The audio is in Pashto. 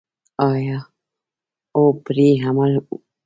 آیا او پرې عمل وشي؟